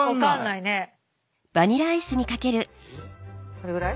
これぐらい？